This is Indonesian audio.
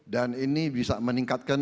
dan ini bisa meningkatkan